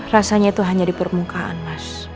rasanya itu hanya di permukaan mas